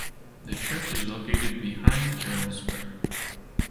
The church is located behind Journal Square.